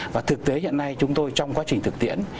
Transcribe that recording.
và thực tế hiện nay chúng tôi trong quá trình thực tiễn